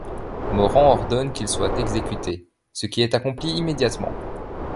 Morant ordonne qu'il soit exécuté, ce qui est accompli immédiatemet.